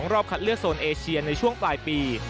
รอบคัดเลือกโซนเอเชียในช่วงปลายปี